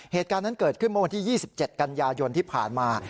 เหตุการณ์นั้นเกิดขึ้นเมื่อวันที่๒๗กันยายนที่ผ่านมา